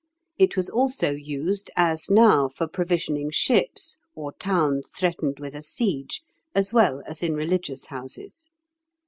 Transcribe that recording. It was also used, as now, for provisioning ships, or towns threatened with a siege, as well as in religious houses.